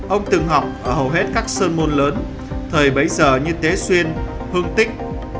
ông từng học ở hầu hết các sơn môn lớn thời bấy giờ như tế xuyên hương tích